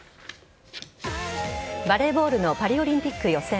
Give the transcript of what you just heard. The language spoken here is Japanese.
バレーボールのパリオリンピック予選。